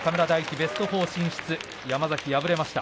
ベスト４進出山崎、敗れました。